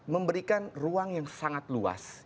memberikan ruang yang sangat luas